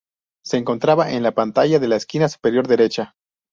Se encontraba en la pantalla de la esquina superior derecha.